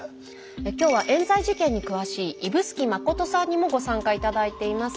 今日はえん罪事件に詳しい指宿信さんにもご参加頂いています。